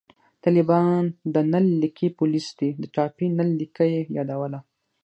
طالبان د نل لیکي پولیس دي، د ټاپي نل لیکه یې یادوله